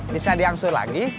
bisa diangsur lagi